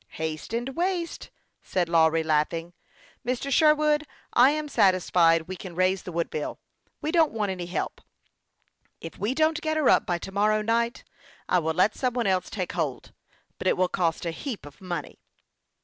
" Haste and waste," said Lawry, laughing. " Mr. Sherwood, I am satisfied we can raise the Wood ville. We don't want any help. If we don't get her up by to morrow night I will let some one else take hold ; but it will cost a heap of money."